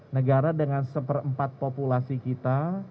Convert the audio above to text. negara dengan seperempat populasi kita